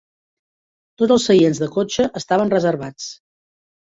Tots els seients de cotxe estaven reservats.